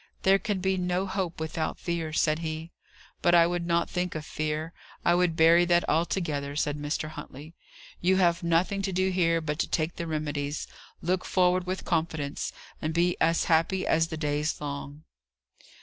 "There can be no hope without fear," said he. "But I would not think of fear: I would bury that altogether," said Mr. Huntley. "You have nothing to do here but to take the remedies, look forward with confidence, and be as happy as the day's long."